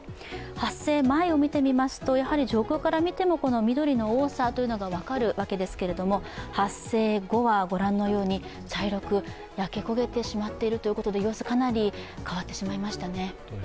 発生前を見てみますと、上空から見ても、緑の多さというのが分かるわけですけれども発生後は、ご覧のとおり茶色く焼け焦げてしまっているということで様子がかなり変わってしまいましたね。